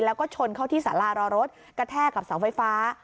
แล้วก็ชนเข้าที่สารารอรถกระแทกกับเสาไฟฟ้า